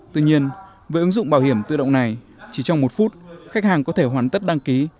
tuy nhiên với ứng dụng bảo hiểm tự động này chỉ trong một phút khách hàng có thể hoàn tất đăng ký